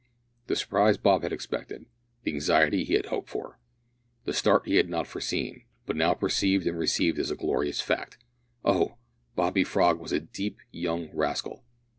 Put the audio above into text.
The surprise Bob had expected; the anxiety he had hoped for; the start he had not foreseen, but now perceived and received as a glorious fact! Oh! Bobby Frog was a deep young rascal!